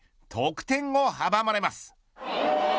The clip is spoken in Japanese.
得点を阻まれます。